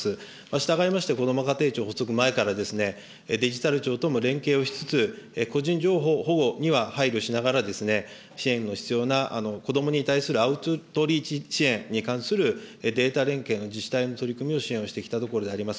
したがいましてこども家庭庁発足前から、デジタル庁とも連携をしつつ、個人情報保護には配慮しながら、支援の必要な子どもに対するアウトリーチ支援に関するデータ連携の自治体の支援をしてきたところであります。